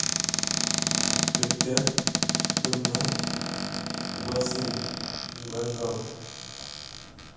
Pətə́, pəmə́, ngwəsəu, ngwəngou.